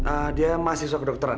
ehm dia mahasiswa kedokteran